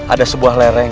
ada sebuah lereng